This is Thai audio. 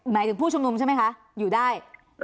หมายถึงผู้ชุมนุมใช่ไหมคะอยู่ได้